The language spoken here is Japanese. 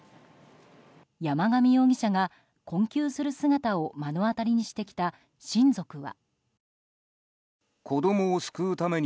山上容疑者が困窮する姿を目の当たりにしてきた親族は。